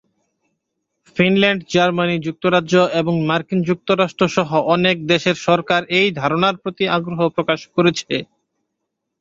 Finland, Germany, যুক্তরাজ্য, এবং মার্কিন যুক্তরাষ্ট্র সহ অনেক দেশের সরকার এই ধারণার প্রতি আগ্রহ প্রকাশ করেছে।